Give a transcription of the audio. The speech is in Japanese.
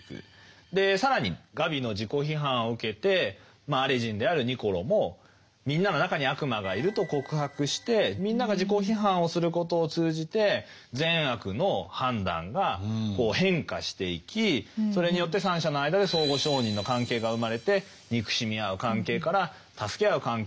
更にガビの自己批判を受けてマーレ人であるニコロもみんなの中に悪魔がいると告白してみんなが自己批判をすることを通じて善悪の判断が変化していきそれによって三者の間で相互承認の関係が生まれて憎しみ合う関係から助け合う関係へと変化していく。